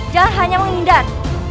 jangan hanya menghindar